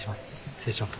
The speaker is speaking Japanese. ・失礼します。